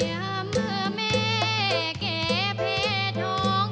อย่าเหมือแม่แกเพถอง